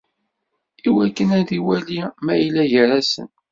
Iwakken ad iwali ma yella gar-asen.